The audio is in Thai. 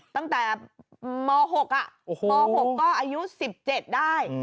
ตั้งแต่ม๖ม๖ก็อายุ๑๗ได้